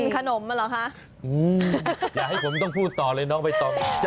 ขนมอ่ะเหรอคะอย่าให้ผมต้องพูดต่อเลยน้องใบตอง